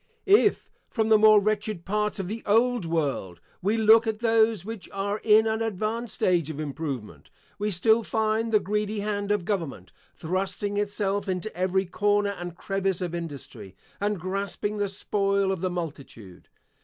If, from the more wretched parts of the old world, we look at those which are in an advanced stage of improvement we still find the greedy hand of government thrusting itself into every corner and crevice of industry, and grasping the spoil of the multitude.